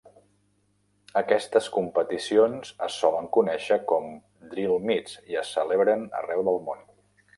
Aquestes competicions es solen conèixer com "drill meets" i es celebren arreu el món.